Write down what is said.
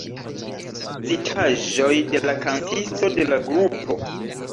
Citaĵoj de la kantisto de la grupo.